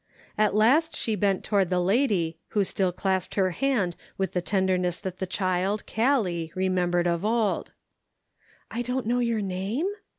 At last she bent toward the lady, who still clasped her hand with the ten derness that the child, Gallic, remembered of old. " I don't know your name